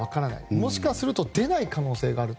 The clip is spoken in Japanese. もしかすると出ない可能性があると。